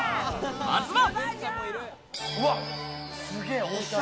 まずは。